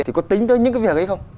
thì có tính tới những cái việc ấy không